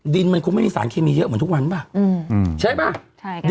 ดินมันคงไม่มีสารเคมีเยอะเหมือนทุกวันป่ะอืมใช่ป่ะใช่ค่ะ